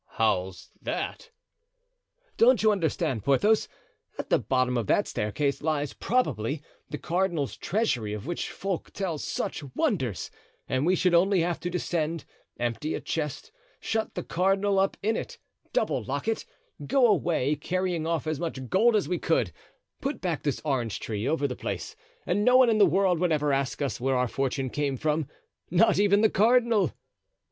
"How's that?" "Don't you understand, Porthos? At the bottom of that staircase lies, probably, the cardinal's treasury of which folk tell such wonders, and we should only have to descend, empty a chest, shut the cardinal up in it, double lock it, go away, carrying off as much gold as we could, put back this orange tree over the place, and no one in the world would ever ask us where our fortune came from—not even the cardinal."